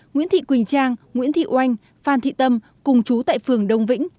nguyễn thị quỳnh trang nguyễn thị oanh phan thị tâm cùng chú tại phường đông vĩnh